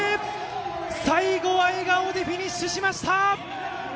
最後は笑顔でフィニッシュしました。